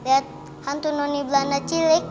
liat hantu noni belanda cilik